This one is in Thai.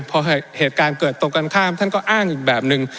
พอเหตุการณ์เกิดตรงกันข้ามท่านก็อ้างอีกแบบนึง